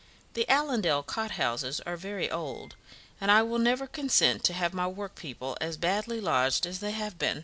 The Allendale cot houses are very old, and I will never consent to have my workpeople as badly lodged as they have been.